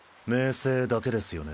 青だけですよね。